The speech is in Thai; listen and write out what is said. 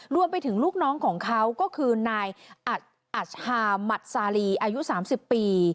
รวมไปถึงลูกน้องของเขาก็คือนายอัชฮามัดซาลีอายุ๓๐ปี